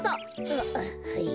あっはい。